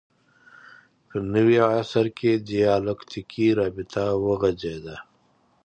په نوي عصر کې دیالکتیکي رابطه وغځېده